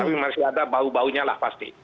tapi masih ada bau baunya lah pasti